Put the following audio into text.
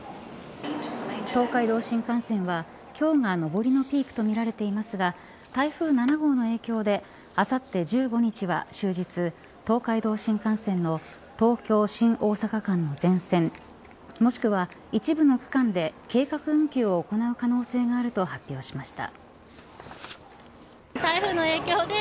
東海道新幹線は今日が上りのピークとみられていますが台風７号の影響であさって１５日は終日東海道新幹線の東京、新大阪間の全線もしくは一部の区間で計画運休を行う可能性があると発表しました。